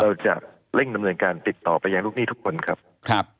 เราจะเร่งดำเนินการติดต่อไปยังลูกหนี้ทุกคนครับ